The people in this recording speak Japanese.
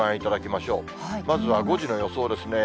まずは５時の予想ですね。